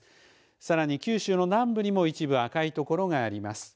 さらに九州の南部にも一部赤い所があります。